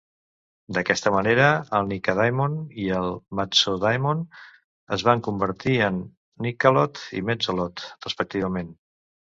D'aquesta manera, el Nycadaemon i el Mezzodaemon es van convertir en Nycaloth i Mezzoloth, respectivament.